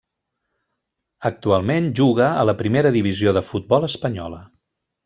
Actualment juga a la Primera Divisió de futbol espanyola.